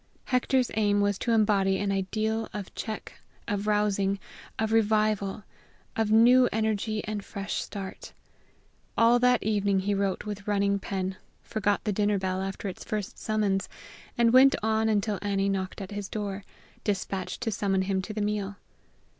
Hector's aim was to embody an ideal of check, of rousing, of revival, of new energy and fresh start. All that evening he wrote with running pen, forgot the dinner bell after its first summons, and went on until Annie knocked at his door, dispatched to summon him to the meal.